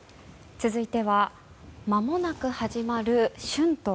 続いてはまもなく始まる春闘。